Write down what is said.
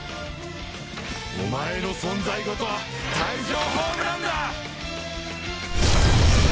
お前の存在ごと退場ホームランだ！